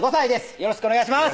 よろしくお願いします